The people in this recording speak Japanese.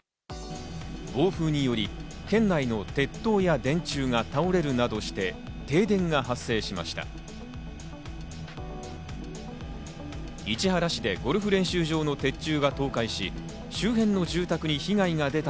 暴風により県内の鉄塔や電柱が倒れるなどして停電が発生しました。